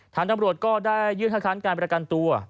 ทางตำรวจก็ได้ยื่นให้ค้านการประกันตัว